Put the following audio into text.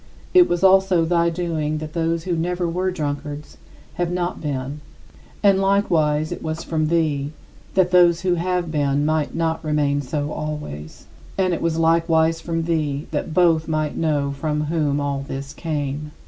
It was also thy doing that those who never were drunkards have not been and likewise, it was from thee that those who have been might not remain so always. And it was likewise from thee that both might know from whom all this came.